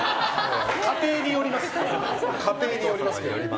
家庭によりますけど。